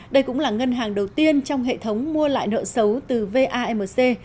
đây cũng là ngân hàng đầu tiên trong hệ thống mua lại nợ xấu từ vamc